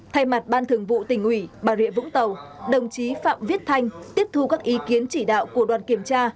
thay mặt ban thường vụ tỉnh ủy bà rịa vũng tàu đồng chí phạm viết thanh tiếp thu các ý kiến chỉ đạo của đoàn kiểm tra